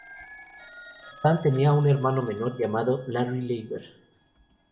Stan tenía un hermano menor llamado Larry Lieber.